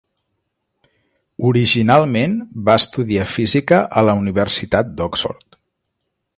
Originalment va estudiar física a la Universitat d'Oxford.